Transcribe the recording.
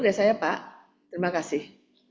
dari saya pak terima kasih